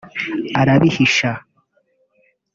arabihisha